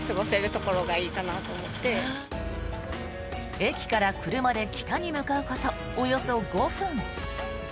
駅から車で北に向かうことおよそ５分。